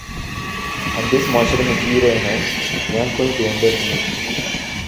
ہم جس معاشرے میں جی رہے ہیں، یہاں کوئی پیغمبر ہے۔